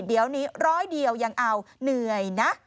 เดี๋ยวนี้ร้อยเดียวยังเอาเหนื่อยนะ